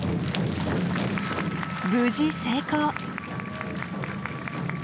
無事成功。